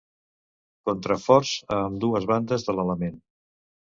Contraforts a ambdues bandes de l'element.